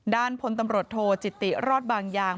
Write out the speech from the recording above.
ด้านพลตำรวจโทจิติรอดบางยาง